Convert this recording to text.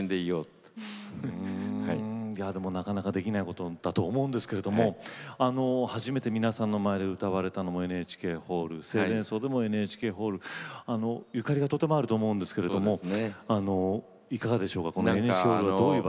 なかなかできないことだと思うんですけど初めて皆さんの前で歌われたのもＮＨＫホール生前葬でもＮＨＫホールゆかりがとてもあると思うんですけれどもいかがでしょうか。